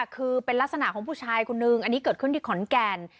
คือเป็นลักษณะของผู้ชายคนนึงอันนี้เกิดขึ้นที่ขอนแก่น